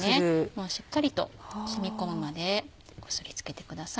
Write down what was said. もうしっかりと染み込むまでこすりつけてください。